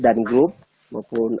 dan grup maupun